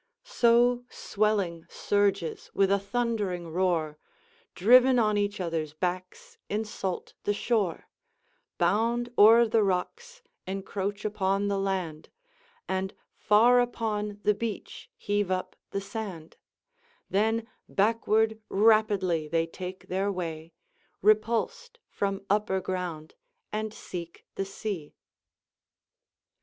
"So swelling surges, with a thundering roar, Driv'n on each others' backs, insult the shore, Bound o'er the rocks, encroach upon the land, And far upon the beach heave up the sand; Then backward rapidly they take their way, Repulsed from upper ground, and seek the sea."